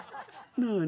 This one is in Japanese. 何？